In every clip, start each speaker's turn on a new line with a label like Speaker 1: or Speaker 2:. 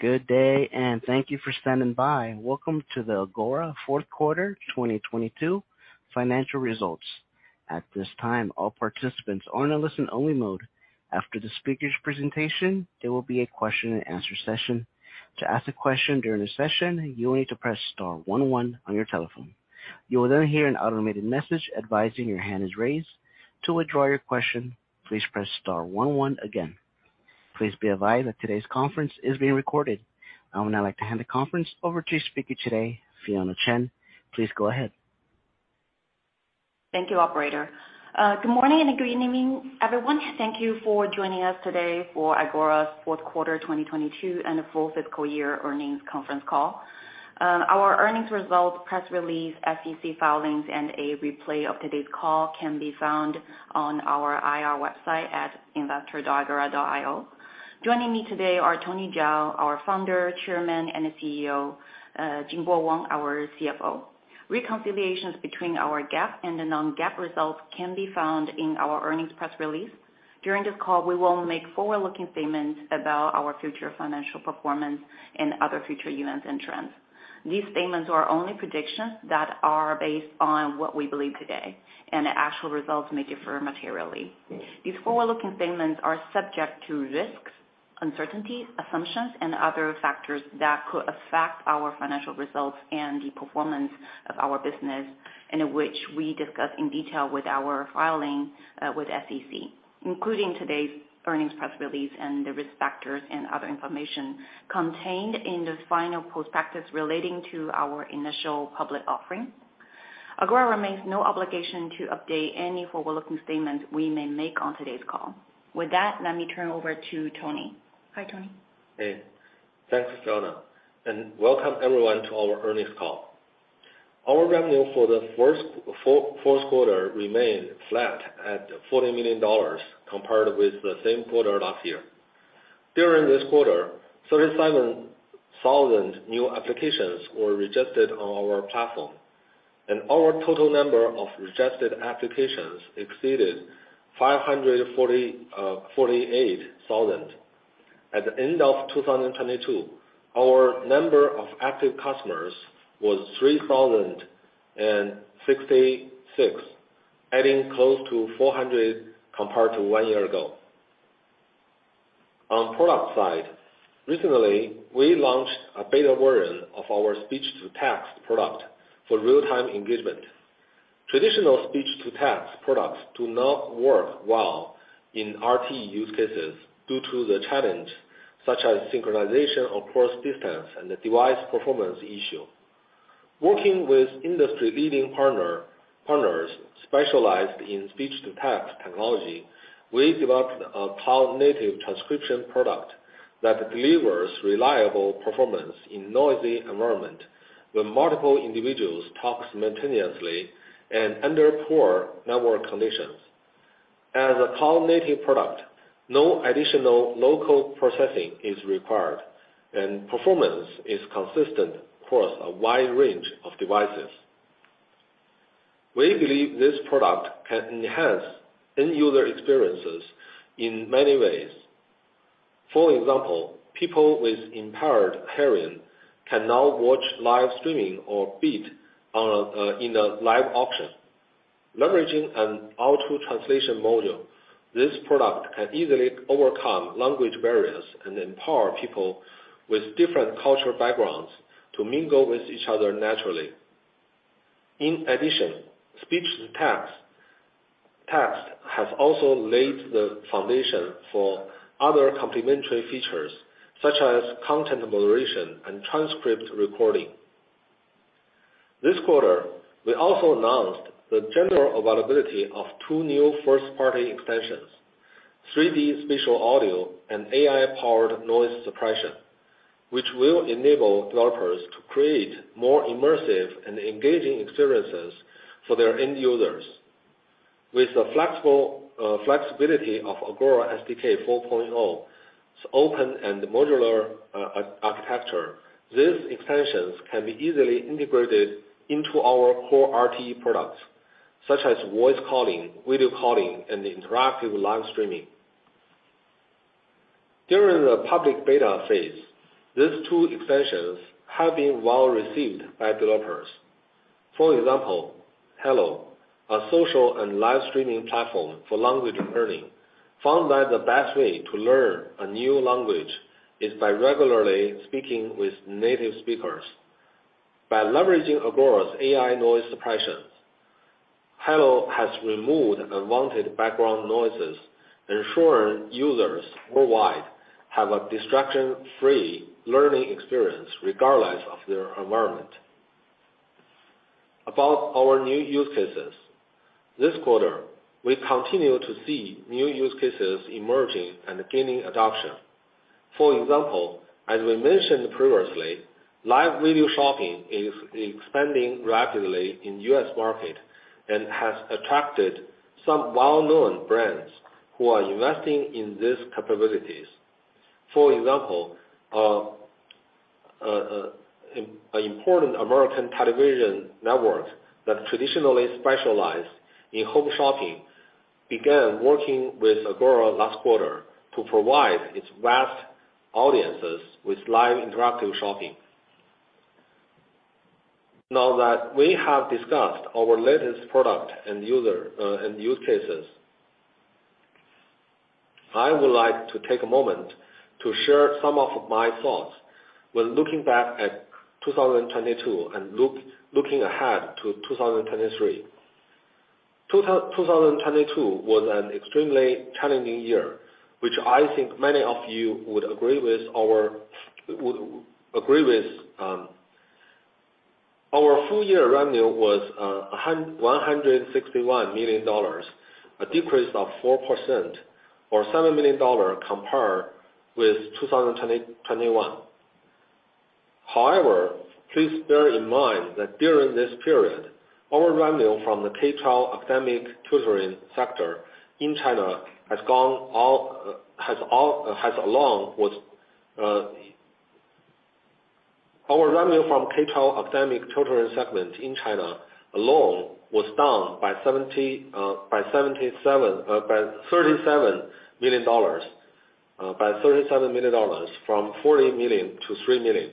Speaker 1: Good day, and thank you for standing by. Welcome to the Agora Fourth Quarter 2022 Financial Results. At this time, all participants are in a listen-only mode. After the speakers' presentation, there will be a question and answer session. To ask a question during the session, you will need to press star one one on your telephone. You will then hear an automated message advising your hand is raised. To withdraw your question, please press star one one again. Please be advised that today's conference is being recorded. I would now like to hand the conference over to speaker today, Fionna Chen. Please go ahead.
Speaker 2: Thank you, operator. Good morning and good evening, everyone. Thank you for joining us today for Agora's Fourth Quarter 2022 and the Full Fiscal Year Earnings Conference Call. Our earnings results, press release, SEC filings, and a replay of today's call can be found on our IR website at investor.agora.io. Joining me today are Tony Zhao, our Founder, Chairman and CEO, Jingbo Wang, our CFO. Reconciliations between our GAAP and non-GAAP results can be found in our earnings press release. During this call, we will make forward-looking statements about our future financial performance and other future events and trends. These statements are only predictions that are based on what we believe today, the actual results may differ materially. These forward-looking statements are subject to risks, uncertainties, assumptions, and other factors that could affect our financial results and the performance of our business, and which we discuss in detail with our filing with SEC, including today's earnings press release and the risk factors and other information contained in the final prospectus relating to our initial public offering. Agora remains no obligation to update any forward-looking statements we may make on today's call. With that, let me turn over to Tony. Hi, Tony.
Speaker 3: Thanks, Fiona, and welcome everyone to our earnings call. Our revenue for the fourth quarter remained flat at $40 million compared with the same quarter last year. During this quarter, 37,000 new applications were registered on our platform, and our total number of registered applications exceeded 548,000. At the end of 2022, our number of active customers was 3,066, adding close to 400 compared to one year ago. On product side, recently, we launched a beta version of our Real-Time Speech to Text product for real-time engagement. Traditional Real-Time Speech to Text products do not work well in RT use cases due to the challenge, such as synchronization across distance and the device performance issue. Working with industry-leading partners specialized in Speech-to-Text technology, we developed a cloud-native transcription product that delivers reliable performance in noisy environment when multiple individuals talk simultaneously and under poor network conditions. As a cloud-native product, no additional local processing is required, and performance is consistent across a wide range of devices. We believe this product can enhance end user experiences in many ways. For example, people with impaired hearing can now watch live streaming or bid in a live auction. Leveraging an auto translation module, this product can easily overcome language barriers and empower people with different cultural backgrounds to mingle with each other naturally. In addition, Speech-to-Text has also laid the foundation for other complementary features such as content moderation and transcript recording. This quarter, we also announced the general availability of two new first-party extensions: 3D Spatial Audio and AI Noise Suppression, which will enable developers to create more immersive and engaging experiences for their end users. With the flexible flexibility of Agora SDK 4.0, its open and modular architecture, these extensions can be easily integrated into our core RT products, such as voice calling, video calling, and interactive live streaming. During the public beta phase, these two extensions have been well received by developers. For example, Hallo, a social and live streaming platform for language learning, found that the best way to learn a new language is by regularly speaking with native speakers. By leveraging Agora's AI Noise Suppression, Hallo has removed unwanted background noises, ensuring users worldwide have a distraction-free learning experience regardless of their environment. About our new use cases. This quarter, we continue to see new use cases emerging and gaining adoption. For example, an important American television network that traditionally specialize in home shopping began working with Agora last quarter to provide its vast audiences with live interactive shopping. Now that we have discussed our latest product and user and use cases, I would like to take a moment to share some of my thoughts when looking back at 2022 and looking ahead to 2023. 2022 was an extremely challenging year, which I think many of you would agree with. Our would agree with. Our full year revenue was $161 million, a decrease of 4% or $7 million compared with 2021. Please bear in mind that during this period, our revenue from K-12 academic tutoring segment in China alone was down by $37 million from $40 million to $3 million.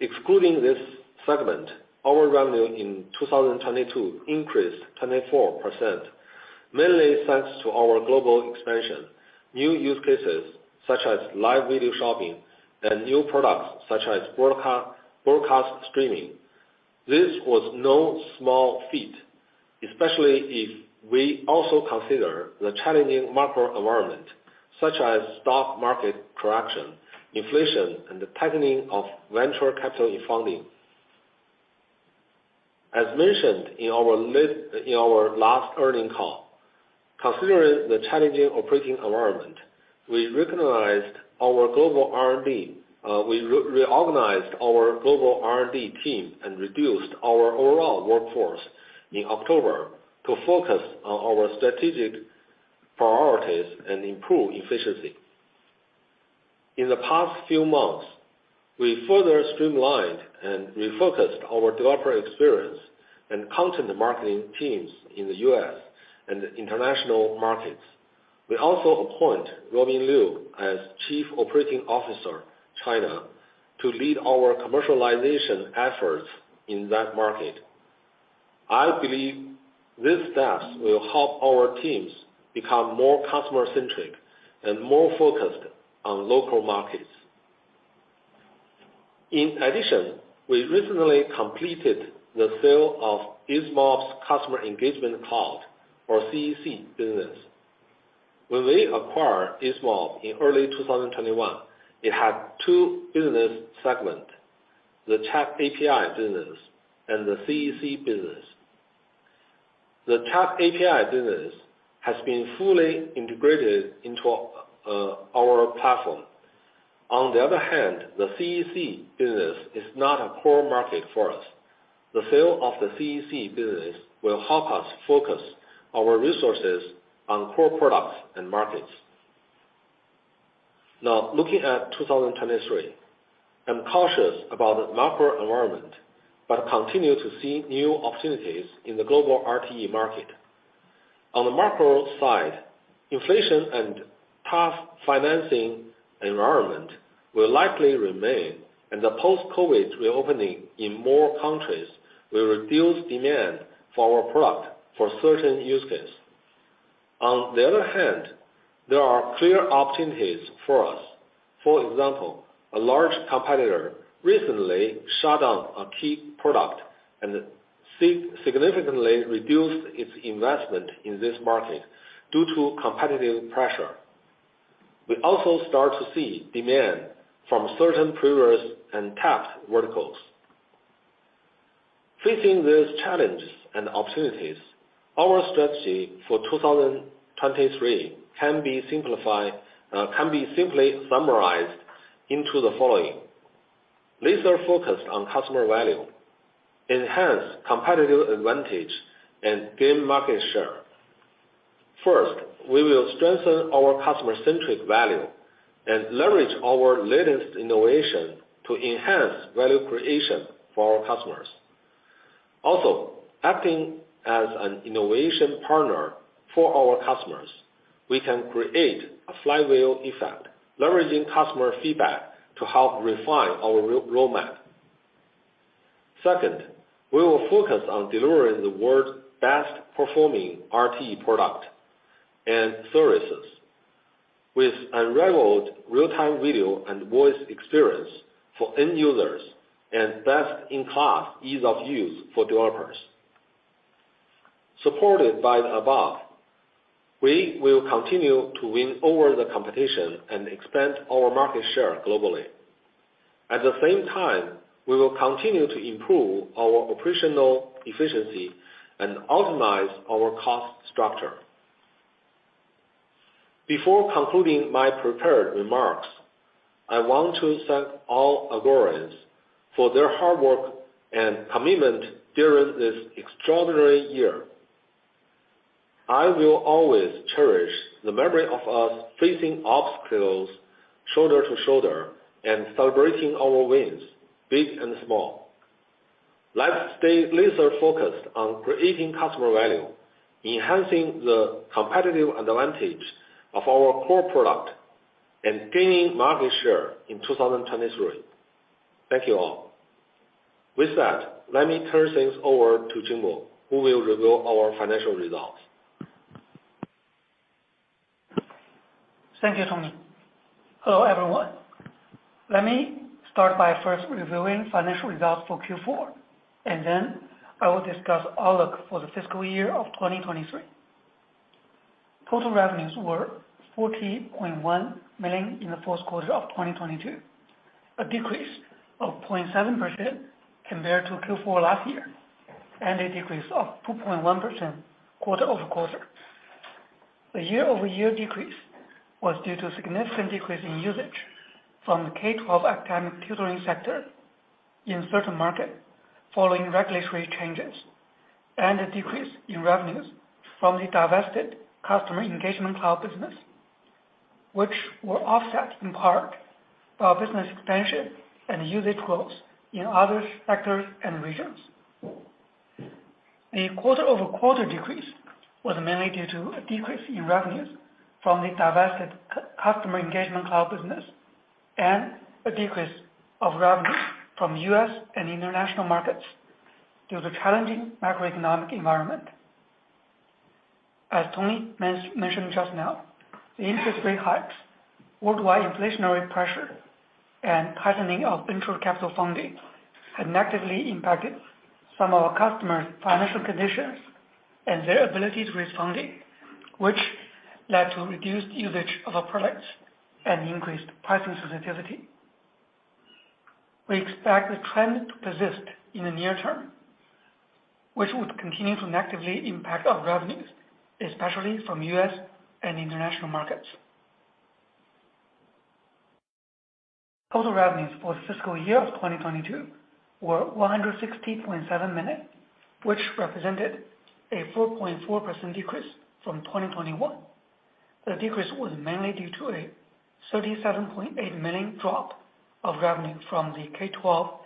Speaker 3: Excluding this segment, our revenue in 2022 increased 24%, mainly thanks to our global expansion, new use cases such as live video shopping and new products such as Broadcast Streaming. This was no small feat, especially if we also consider the challenging macro environment such as stock market correction, inflation, and the tightening of venture capital in funding. As mentioned in our last earning call, considering the challenging operating environment, we recognized our global R&D. We reorganized our global R&D team and reduced our overall workforce in October to focus on our strategic priorities and improve efficiency. In the past few months, we further streamlined and refocused our developer experience and content marketing teams in the US and international markets. We also appoint Qiu Ruoming as Chief Operating Officer China to lead our commercialization efforts in that market. I believe these steps will help our teams become more customer-centric and more focused on local markets. In addition, we recently completed the sale of Easemob's customer engagement cloud or CEC business. When we acquired Easemob in early 2021, it had two business segment, the Chat API business and the CEC business. The Chat API business has been fully integrated into our platform. The CEC business is not a core market for us. The sale of the CEC business will help us focus our resources on core products and markets. Looking at 2023, I'm cautious about the macro environment, but continue to see new opportunities in the global RTE market. On the macro side, inflation and tough financing environment will likely remain, and the post-COVID reopening in more countries will reduce demand for our product for certain use case. There are clear opportunities for us. For example, a large competitor recently shut down a key product and significantly reduced its investment in this market due to competitive pressure. We also start to see demand from certain previous untapped verticals. Facing these challenges and opportunities, our strategy for 2023 can be simply summarized into the following. Laser-focused on customer value, enhance competitive advantage, and gain market share. First, we will strengthen our customer-centric value and leverage our latest innovation to enhance value creation for our customers. Acting as an innovation partner for our customers, we can create a flywheel effect, leveraging customer feedback to help refine our roadmap. Second, we will focus on delivering the world's best-performing RTE product and services with unrivaled real-time video and voice experience for end users and best-in-class ease of use for developers. Supported by the above, we will continue to win over the competition and expand our market share globally. At the same time, we will continue to improve our operational efficiency and optimize our cost structure. Before concluding my prepared remarks, I want to thank all Agorans for their hard work and commitment during this extraordinary year. I will always cherish the memory of us facing obstacles shoulder to shoulder and celebrating our wins, big and small. Let's stay laser-focused on creating customer value, enhancing the competitive advantage of our core product, and gaining market share in 2023. Thank you all. Let me turn things over to Jingbo, who will reveal our financial results.
Speaker 4: Thank you, Tony. Hello, everyone. Let me start by first reviewing financial results for Q4. Then I will discuss outlook for the fiscal year of 2023. Total revenues were $40.1 million in the fourth quarter of 2022, a decrease of 0.7% compared to Q4 last year, and a decrease of 2.1% quarter-over-quarter. The year-over-year decrease was due to significant decrease in usage from the K-12 academic tutoring sector in certain market following regulatory changes and a decrease in revenues from the divested customer engagement cloud business, which were offset in part by our business expansion and usage growth in other sectors and regions. The quarter-over-quarter decrease was mainly due to a decrease in revenues from the divested customer engagement cloud business and a decrease of revenue from US and international markets due to challenging macroeconomic environment. As Tony mentioned just now, the interest rate hikes, worldwide inflationary pressure, and tightening of venture capital funding had negatively impacted some of our customers' financial conditions and their ability to raise funding, which led to reduced usage of our products and increased pricing sensitivity. We expect the trend to persist in the near term, which would continue to negatively impact our revenues, especially from US and international markets. Total revenues for the fiscal year of 2022 were $160.7 million, which represented a 4.4% decrease from 2021. The decrease was mainly due to a $37.8 million drop of revenue from the K-12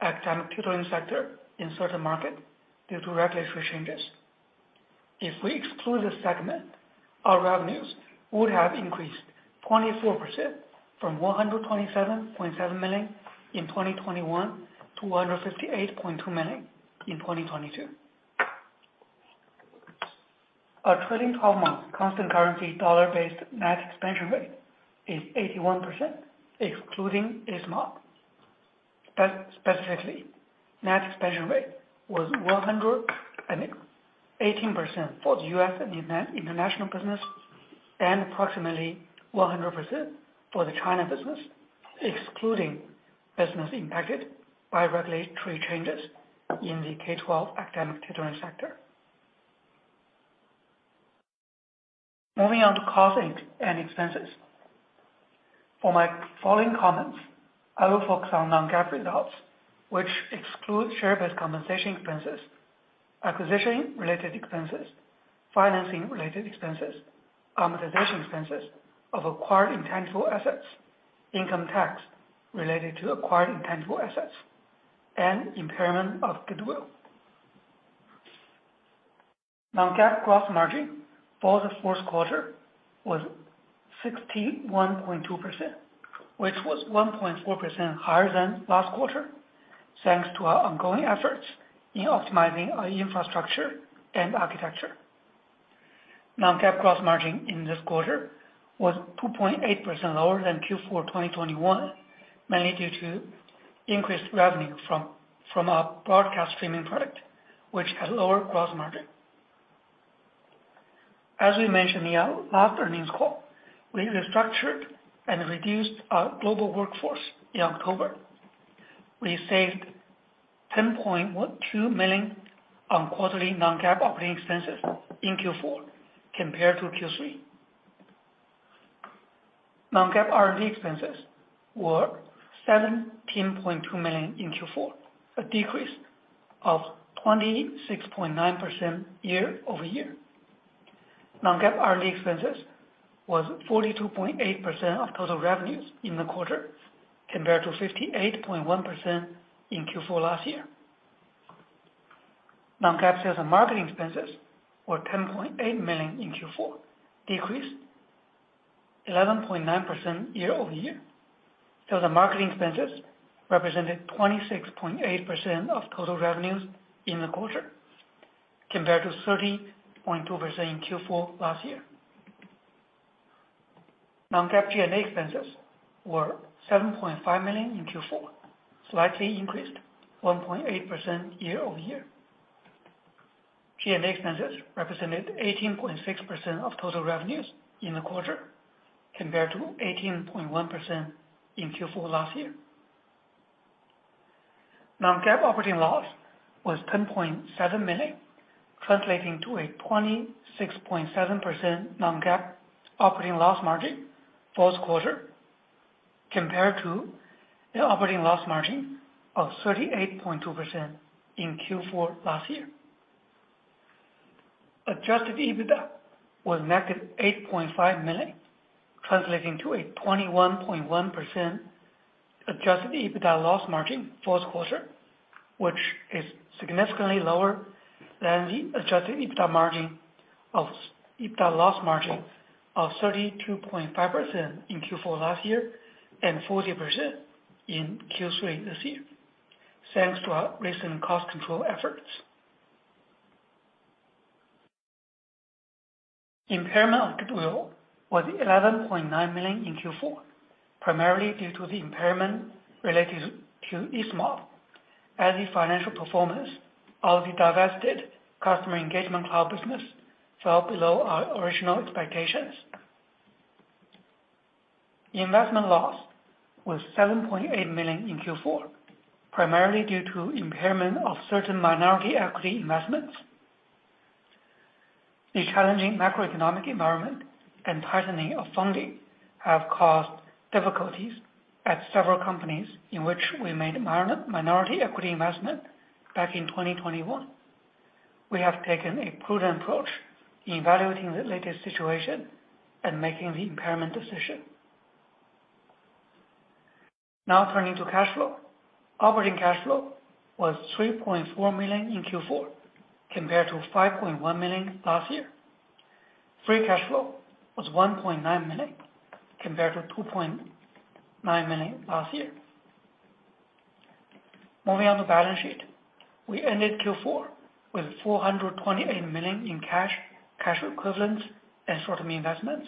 Speaker 4: academic tutoring sector in certain market due to regulatory changes. If we exclude this segment, our revenues would have increased 24% from $127.7 million in 2021 to $158.2 million in 2022. Our trailing 12-month constant currency dollar-based net expansion rate is 81% excluding this month. Specifically, net expansion rate was 118% for the US and international business and approximately 100% for the China business, excluding business impacted by regulatory changes in the K-12 academic tutoring sector. Moving on to cost and expenses. For my following comments, I will focus on non-GAAP results, which excludes share-based compensation expenses, acquisition-related expenses, financing-related expenses, amortization expenses of acquired intangible assets, income tax related to acquired intangible assets and impairment of goodwill. Non-GAAP gross margin for the fourth quarter was 61.2%, which was 1.4% higher than last quarter, thanks to our ongoing efforts in optimizing our infrastructure and architecture. Non-GAAP gross margin in this quarter was 2.8% lower than Q4 2021, mainly due to increased revenue from our Broadcast Streaming product, which had lower gross margin. As we mentioned in our last earnings call, we restructured and reduced our global workforce in October. We saved $10.2 million on quarterly non-GAAP operating expenses in Q4 compared to Q3. Non-GAAP R&D expenses were $17.2 million in Q4, a decrease of 26.9% year-over-year. Non-GAAP R&D expenses was 42.8% of total revenues in the quarter compared to 58.1% in Q4 last year. non-GAAP sales and marketing expenses were $10.8 million in Q4, decreased 11.9% year-over-year. Sales and marketing expenses represented 26.8% of total revenues in the quarter compared to 30.2% in Q4 last year. non-GAAP G&A expenses were $7.5 million in Q4, slightly increased 1.8% year-over-year. G&A expenses represented 18.6% of total revenues in the quarter compared to 18.1% in Q4 last year. non-GAAP operating loss was $10.7 million, translating to a 26.7% non-GAAP operating loss margin for this quarter compared to the operating loss margin of 38.2% in Q4 last year. Adjusted EBITDA was -$8.5 million, translating to a 21.1% adjusted EBITDA loss margin fourth quarter, which is significantly lower than the EBITDA loss margin of 32.5% in Q4 last year and 40% in Q3 this year, thanks to our recent cost control efforts. Impairment of goodwill was $11.9 million in Q4, primarily due to the impairment related to Easemob, as the financial performance of the divested customer engagement cloud business fell below our original expectations. Investment loss was $7.8 million in Q4, primarily due to impairment of certain minority equity investments. The challenging macroeconomic environment and tightening of funding have caused difficulties at several companies in which we made minority equity investment back in 2021. We have taken a prudent approach in evaluating the latest situation and making the impairment decision. Turning to cash flow. Operating cash flow was $3.4 million in Q4 compared to $5.1 million last year. Free cash flow was $1.9 million compared to $2.9 million last year. Moving on to balance sheet. We ended Q4 with $428 million in cash equivalents and short-term investments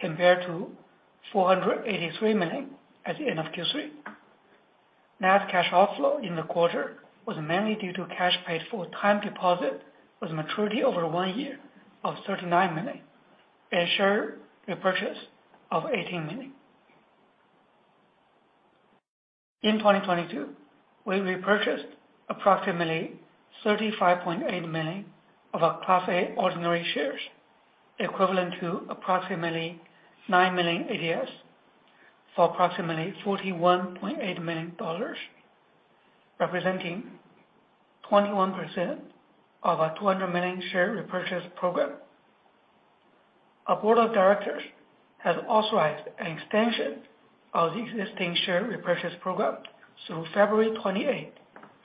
Speaker 4: compared to $483 million at the end of Q3. Net cash outflow in the quarter was mainly due to cash paid for time deposit with maturity over one year of $39 million and share repurchase of $18 million. In 2022, we repurchased approximately 35.8 million of our Class A ordinary shares, equivalent to approximately 9 million ADS for approximately $41.8 million, representing 21% of our $200 million share repurchase program. Our board of directors has authorized an extension of the existing share repurchase program through February 28th,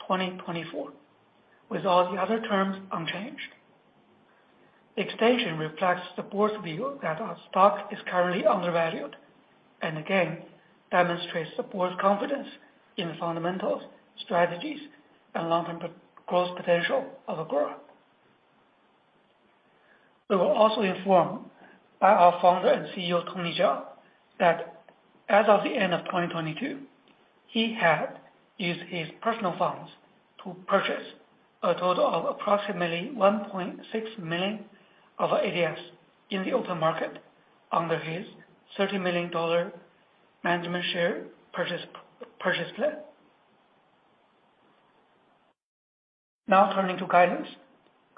Speaker 4: 2024, with all the other terms unchanged. The extension reflects the board's view that our stock is currently undervalued and again demonstrates the board's confidence in fundamentals, strategies, and long-term growth potential of Agora. We were also informed by our founder and CEO, Tony Zhao, that as of the end of 2022, he had used his personal funds to purchase a total of approximately 1.6 million of ADS in the open market under his $30 million management share purchase plan. Turning to guidance.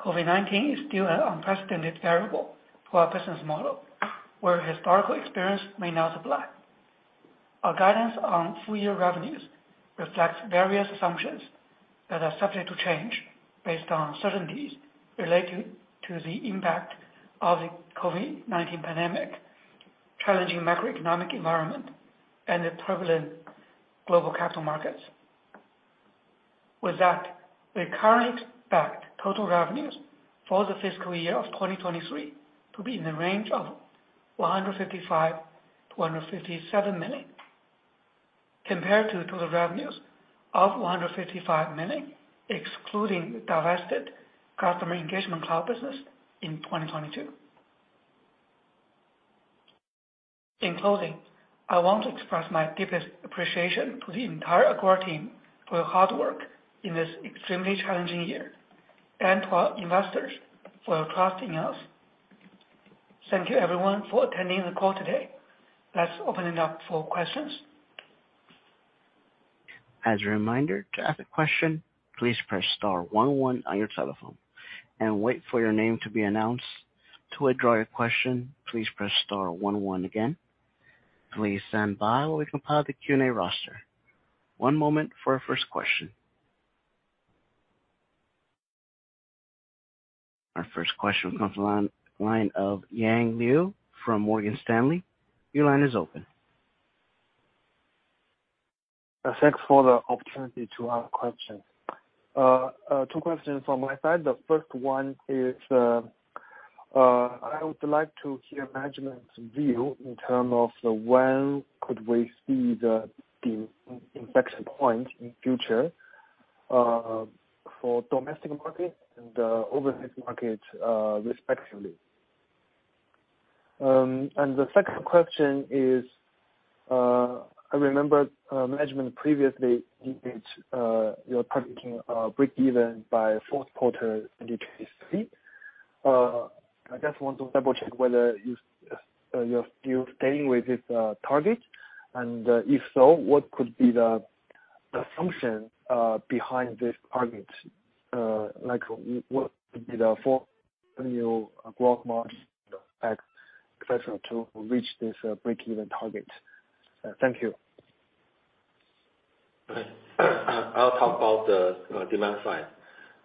Speaker 4: COVID-19 is still an unprecedented variable to our business model, where historical experience may not apply. Our guidance on full-year revenues reflects various assumptions that are subject to change based on certainties related to the impact of the COVID-19 pandemic, challenging macroeconomic environment, and the prevalent global capital markets. With that, we currently expect total revenues for the fiscal year of 2023 to be in the range of $155 million-$157 million, compared to total revenues of $155 million, excluding divested customer engagement cloud business in 2022. In closing, I want to express my deepest appreciation to the entire Agora team for your hard work in this extremely challenging year and to our investors for trusting us. Thank you everyone for attending the call today. Let's open it up for questions.
Speaker 1: As a reminder, to ask a question, please press star one one on your telephone and wait for your name to be announced. To withdraw your question, please press star one one again. Please stand by while we compile the Q&A roster. One moment for our first question. Our first question comes on line of Yang Liu from Morgan Stanley. Your line is open.
Speaker 5: Thanks for the opportunity to ask questions. Two questions from my side. The first one is, I would like to hear management's view in terms of when could we see the inflection point in future for domestic market and overseas market respectively. The second question is, I remember management previously engaged, you're targeting break even by fourth quarter 2023. I just want to double-check whether you're still staying with this target. If so, what could be the assumption behind this target, like what would be the for new growth marks, you know, et cetera, to reach this breakeven target? Thank you.
Speaker 3: I'll talk about the demand side.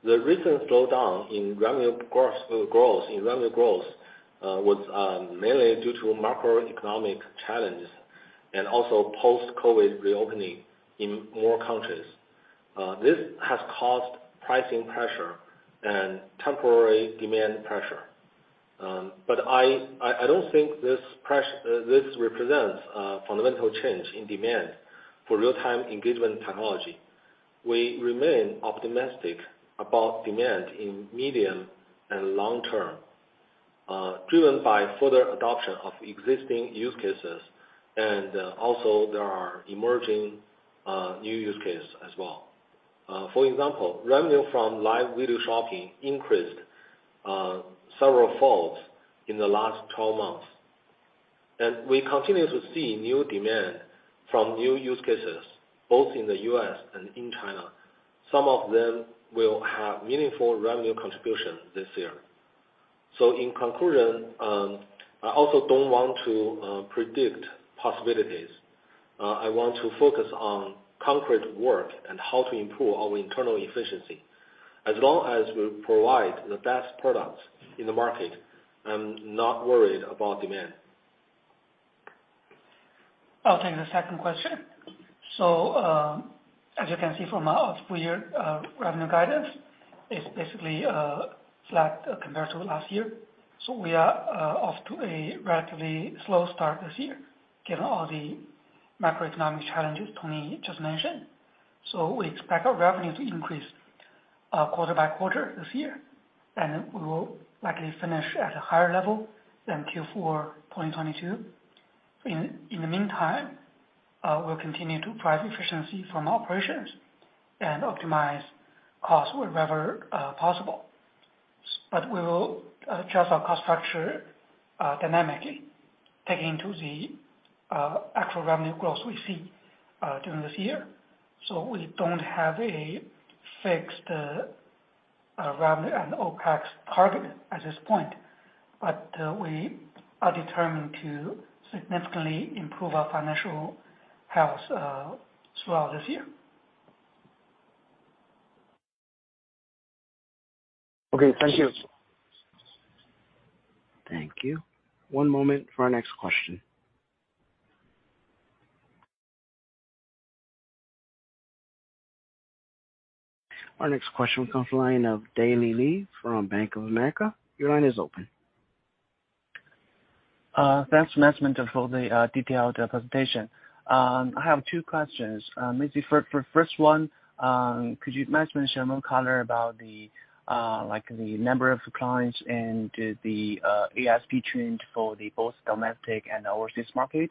Speaker 3: The recent slowdown in revenue growth was mainly due to macroeconomic challenges and also post-COVID-19 reopening in more countries. This has caused pricing pressure and temporary demand pressure. I don't think this represents a fundamental change in demand for real-time engagement technology. We remain optimistic about demand in medium and long term, driven by further adoption of existing use cases, and also there are emerging new use cases as well. For example, revenue from live video shopping increased several folds in the last 12 months. We continue to see new demand from new use cases, both in the US and in China. Some of them will have meaningful revenue contribution this year. In conclusion, I also don't want to predict possibilities. I want to focus on concrete work and how to improve our internal efficiency. As long as we provide the best products in the market, I'm not worried about demand.
Speaker 4: I'll take the second question. As you can see from our full year revenue guidance, it's basically flat compared to last year. We are off to a relatively slow start this year, given all the macroeconomic challenges Tony just mentioned. We expect our revenue to increase quarter by quarter this year, and we will likely finish at a higher level than Q4 2022. In the meantime, we'll continue to drive efficiency from operations and optimize costs wherever possible. We will adjust our cost structure dynamically, taking into the actual revenue growth we see during this year. We don't have a fixed revenue and OPEX target at this point. We are determined to significantly improve our financial health throughout this year.
Speaker 5: Okay, thank you.
Speaker 1: Thank you. One moment for our next question. Our next question comes the line of Daley Li from Bank of America. Your line is open.
Speaker 6: Thanks management for the detailed presentation. I have two questions. Maybe first one, could you management share more color about the like the number of clients and the ASP trend for the both domestic and overseas market?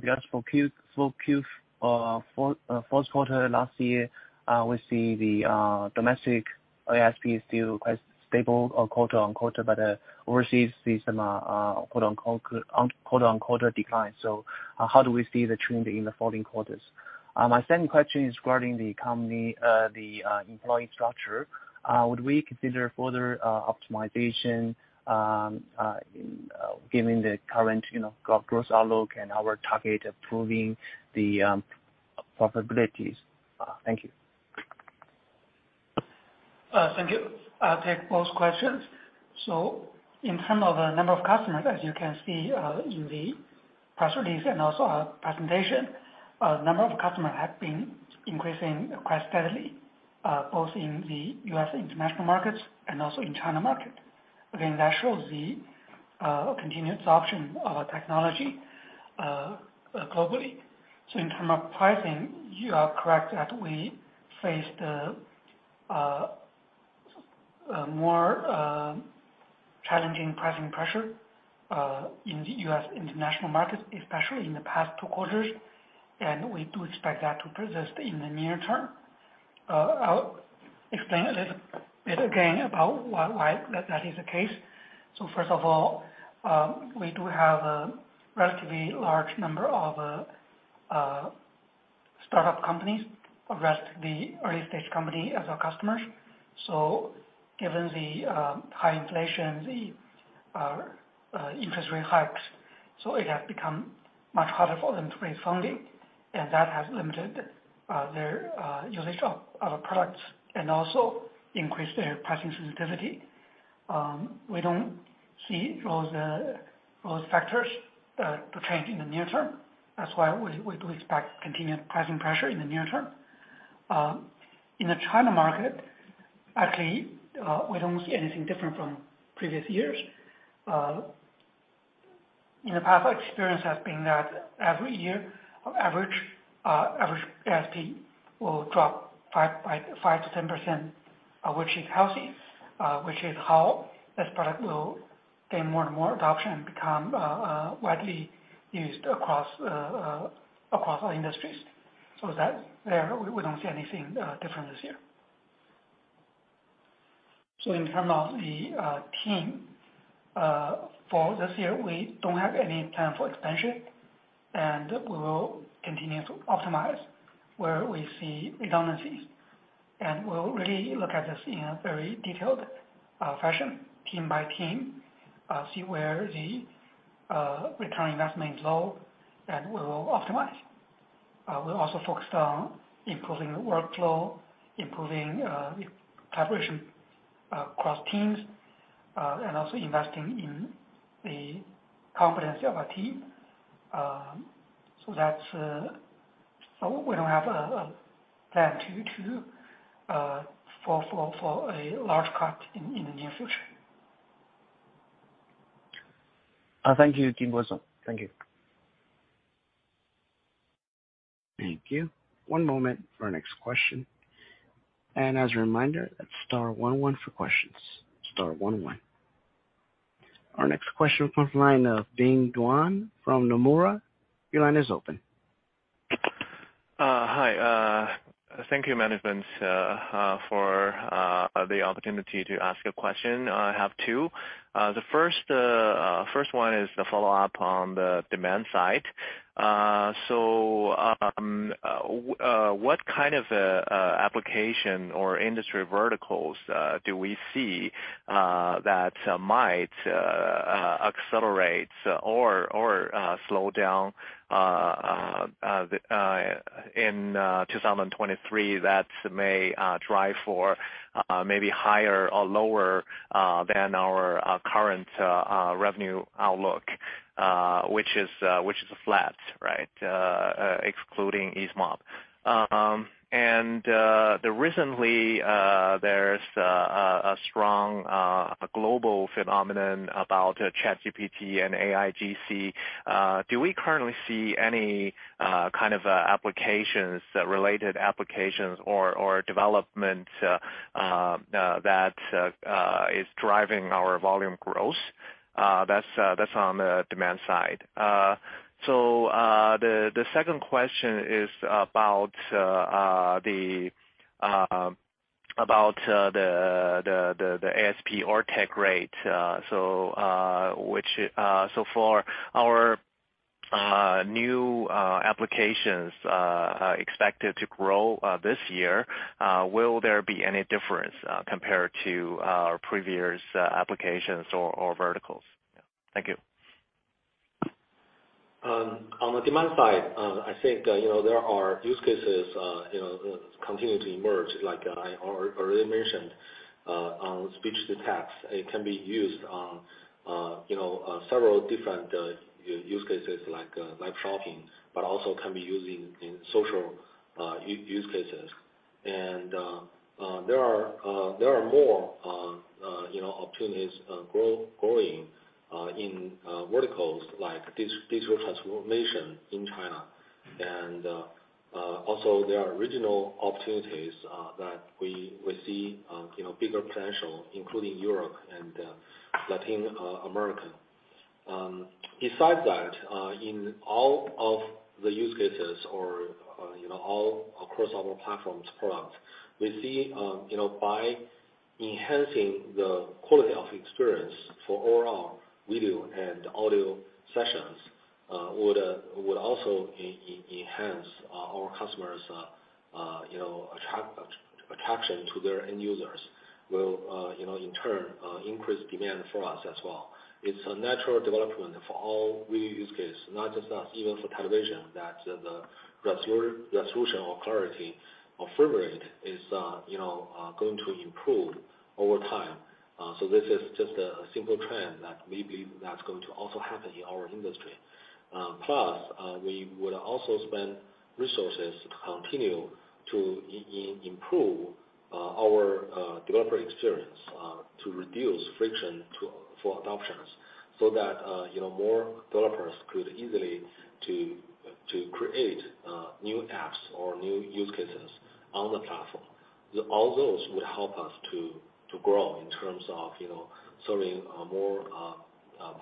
Speaker 6: Because for fourth quarter last year, we see the domestic ASP is still quite stable or quarter-on-quarter but overseas we see some quarter-on-quarter decline. How do we see the trend in the following quarters? My second question is regarding the company, the employee structure. Would we consider further optimization given the current, you know, growth outlook and our target of proving the profitability? Thank you.
Speaker 4: Thank you. I'll take both questions. In terms of the number of customers, as you can see, in the press release and also our presentation, number of customers have been increasing quite steadily, both in the US and international markets and also in China market. Again, that shows the continued adoption of our technology globally. In terms of pricing, you are correct that we face the more challenging pricing pressure in the US international markets, especially in the past two quarters, and we do expect that to persist in the near term. I'll explain a little bit again about why that is the case. First of all, we do have a relatively large number of startup companies, or rather the early stage company as our customers. Given the high inflation, the interest rate hikes, it has become much harder for them to raise funding, and that has limited their usage of our products and also increased their pricing sensitivity. We don't see those factors to change in the near term. That's why we do expect continued pricing pressure in the near term. In the China market, actually, we don't see anything different from previous years. In the past, our experience has been that every year, our average ASP will drop 5%-10%, which is healthy, which is how this product will gain more and more adoption and become widely used across all industries. That there we don't see anything different this year. In terms of the team for this year, we don't have any plan for expansion, we will continue to optimize where we see redundancies. We'll really look at this in a very detailed fashion, team by team, see where the return on investment is low, and we will optimize. We're also focused on improving the workflow, improving the collaboration across teams, and also investing in the competency of our team. So that's. We don't have a plan to for a large cut in the near future.
Speaker 6: Thank you. Jingbo Wang. Thank you.
Speaker 1: Thank you. One moment for our next question. As a reminder, that's star one one for questions. Star one one. Our next question comes from line of Bing Duan from Nomura. Your line is open.
Speaker 7: Hi. Thank you management for the opportunity to ask a question. I have two. The first one is the follow-up on the demand side. What kind of application or industry verticals do we see that might accelerate or slow down in 2023 that may drive for maybe higher or lower than our current revenue outlook, which is flat, right? Excluding Easemob. Recently, there's a strong global phenomenon about ChatGPT and AIGC. Do we currently see any kind of applications, related applications or development that is driving our volume growth? That's on the demand side. The second question is about the ASP or tech rate. Which, so for our new applications expected to grow this year, will there be any difference compared to previous applications or verticals? Thank you.
Speaker 3: On the demand side, I think, you know, there are use cases, you know, continue to emerge, like I earlier mentioned, on speech-to-text. It can be used on, you know, several different use cases like live shopping, but also can be used in social use cases. There are more, you know, opportunities growing in verticals like digital transformation in China. Also there are regional opportunities that we see, you know, bigger potential, including Europe and Latin America. `Besides that, in all of the use cases or, you know, all across our platforms products, we see, you know, by enhancing the quality of experience for all our video and audio sessions, would also enhance our customers', you know, attract attraction to their end users. Will, you know, in turn, increase demand for us as well. It's a natural development for all video use cases, not just us about the evolution of television that the resolution or clarity of the footage is, you know, going to improve over time. So tis is just a simple trend that we believe is also going to help our industry Plus, we would also spend resources to continue to improve our developer experience to reduce friction for adoptions so that, you know, more developers could easily to create new apps or new use cases on the platform. All those would help us to grow in terms of, you know, serving more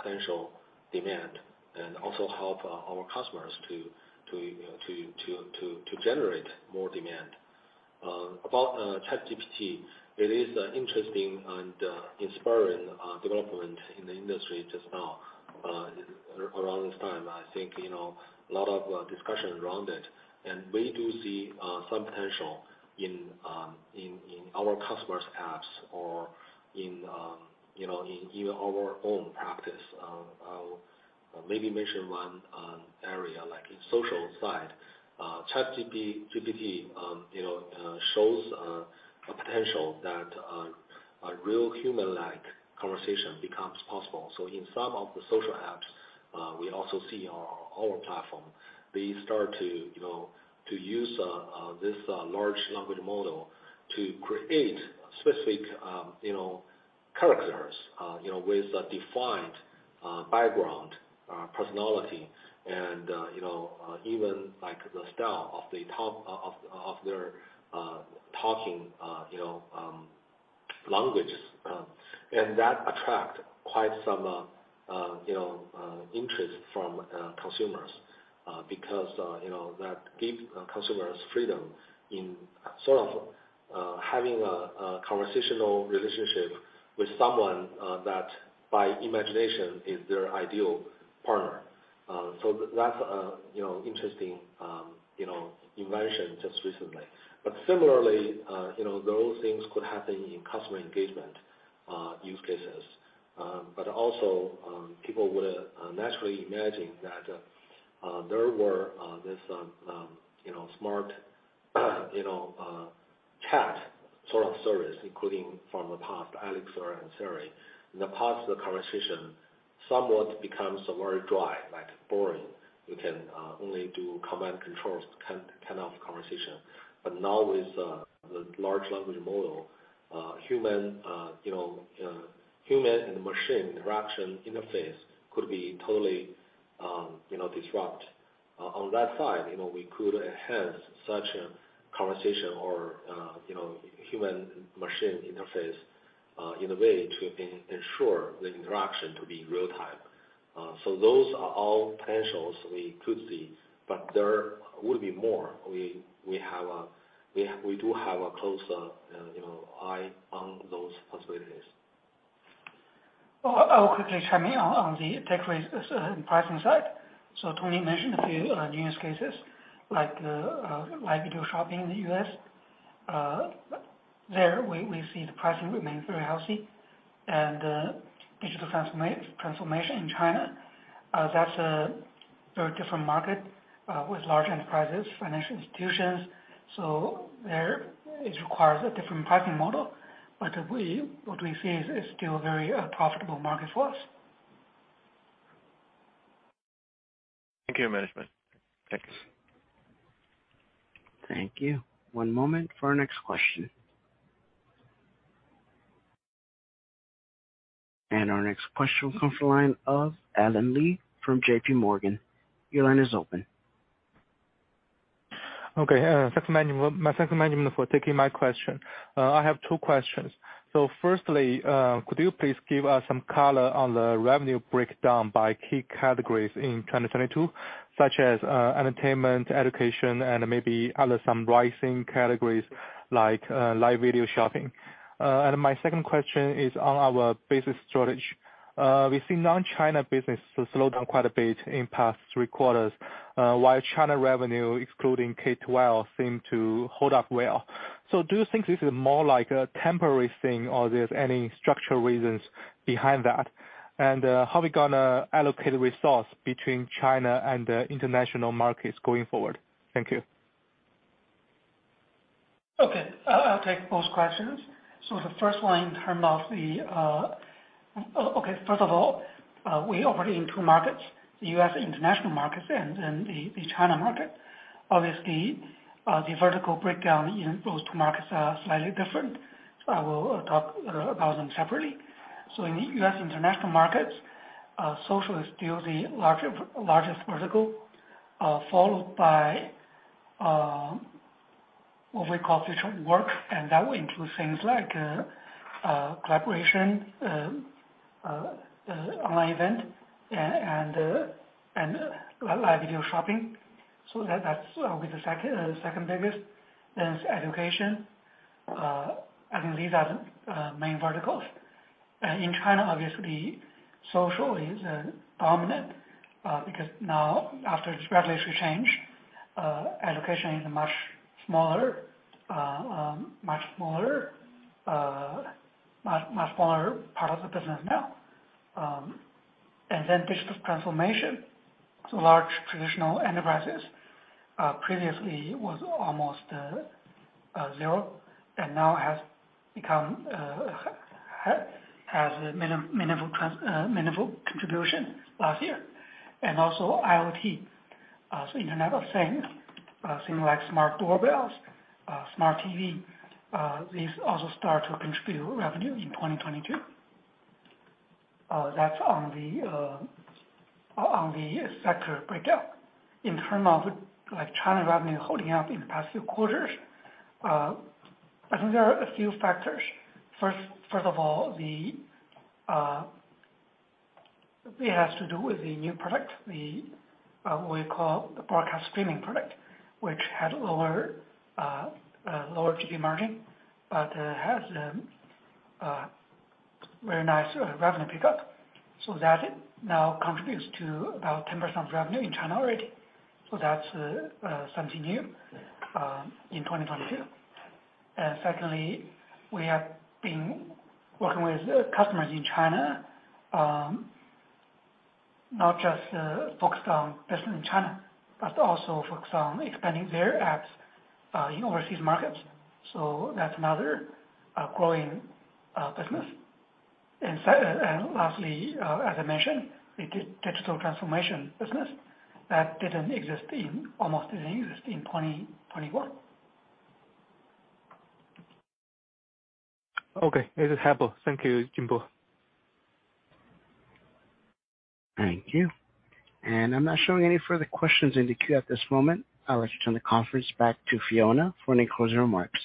Speaker 3: potential demand and also help our customers to, you know, to generate more demand. About ChatGPT. It is interesting and inspiring development in the industry just now around this time. I think, you know, a lot of discussion around it. We do see some potential in our customers' apps or in, you know, even our own practice. I'll maybe mention one area, like in social side. ChatGPT, you know, shows a potential that a real human-like conversation becomes possible. In some of the social apps, we also see on our platform, they start to, you know, to use this large language model to create specific, you know, characters, you know, with a defined background, personality and, you know, even like the style of the talk of their talking, you know, language. That attract quite some, you know, interest from consumers, because, you know, that give consumers freedom in sort of, having a conversational relationship with someone that by imagination is their ideal partner. That's, you know, interesting, you know, invention just recently. Similarly, you know, those things could happen in customer engagement use cases. Also, people would naturally imagine that there were this, you know, smart, you know, chat sort of service, including from the past, Alexa and Siri. In the past, the conversation somewhat becomes very dry, like boring. You can only do command controls kind of conversation. Now with the large language model, human, you know, human and machine interaction interface could be totally, you know, disrupt. On that side, you know, we could enhance such a conversation or, you know, human machine interface in a way to ensure the interaction to be real-time. Those are all potentials we could see, but there would be more. We do have a close, you know, eye on those possibilities.
Speaker 4: Well, I'll quickly chime in on the tech pricing side. Tony mentioned a few use cases like live video shopping in the US. There we see the pricing remain very healthy. Digital transformation in China, that's a very different market with large enterprises, financial institutions. There it requires a different pricing model. What we see is still very profitable market for us.
Speaker 7: Thank you, management. Thanks.
Speaker 1: Thank you. One moment for our next question. Our next question comes from the line of Allen Lee from JP Morgan. Your line is open.
Speaker 8: Okay. Thanks management for taking my question. I have two questions. Firstly, could you please give us some color on the revenue breakdown by key categories in 2022, such as entertainment, education, and maybe other some rising categories like live video shopping? My second question is on our business storage. We've seen non-China business slow down quite a bit in past 3 quarters, while China revenue, excluding K-12, seem to hold up well. Do you think this is more like a temporary thing or there's any structural reasons behind that? How are we gonna allocate resource between China and the international markets going forward? Thank you.
Speaker 4: Okay. I'll take both questions. The first one in terms of the, Okay, first of all, we operate in two markets, the US international markets and the China market. Obviously, the vertical breakdown in those two markets are slightly different. I will talk about them separately. In the US international markets, social is still the largest vertical, followed by what we call digital work, and that will include things like collaboration, online event and live video shopping. That's will be the second biggest. It's education. I think these are the main verticals. In China, obviously social is dominant because now after the regulatory change, education is a much smaller part of the business now. Digital transformation to large traditional enterprises previously was almost zero and now has become a meaningful contribution last year. IoT, so Internet of things like smart doorbells, smart TV, these also start to contribute revenue in 2022. That's on the sector breakdown. In term of like China revenue holding up in the past few quarters, I think there are a few factors. First of all, the it has to do with the new product, the what we call the Broadcast Streaming product, which had lower gross margin, but has very nice revenue pickup. That now contributes to about 10% of revenue in China already. That's something new in 2022. Secondly, we have been working with customers in China, not just focused on business in China, but also focused on expanding their apps in overseas markets. That's another growing business. Lastly, as I mentioned, the digital transformation business that didn't exist in, almost didn't exist in 2021.
Speaker 8: Okay. This is helpful. Thank you, Jimbo.
Speaker 1: Thank you. I'm not showing any further questions in the queue at this moment. I'll return the conference back to Fiona for any closing remarks.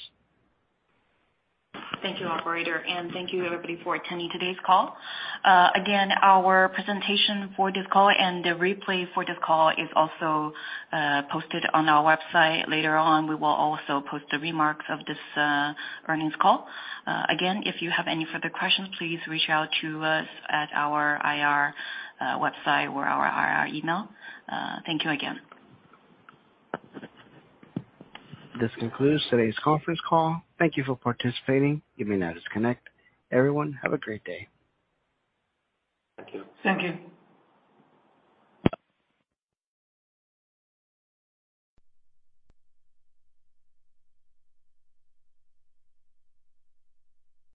Speaker 2: Thank you, operator. Thank you everybody for attending today's call. Again, our presentation for this call and the replay for this call is also posted on our website. Later on, we will also post the remarks of this earnings call. Again, if you have any further questions, please reach out to us at our IR website or our IR email. Thank you again.
Speaker 1: This concludes today's conference call. Thank you for participating. You may now disconnect. Everyone, have a great day.
Speaker 3: Thank you.
Speaker 4: Thank you.